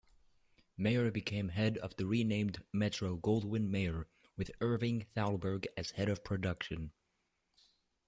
Mayer became head of the renamed Metro-Goldwyn-Mayer, with Irving Thalberg as head of production.